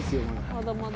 まだまだ。